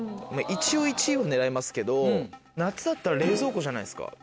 一応１位を狙いますけど夏だったら冷蔵庫じゃないですか？